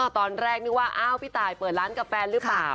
ตอนแรกนึกว่าอ้าวพี่ตายเปิดร้านกับแฟนหรือเปล่า